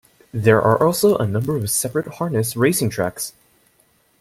There are also a number of separate harness racing tracks.